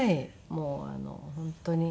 もう本当に。